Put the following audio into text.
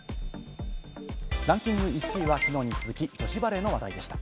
ランキング１位は、きのうに続き女子バレーの話題でした。